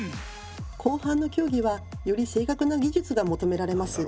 後半の競技はより正確な技術が求められます。